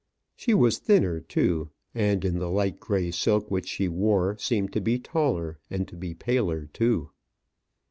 She was thinner too, and, in the light gray silk which she wore, seemed to be taller, and to be paler too.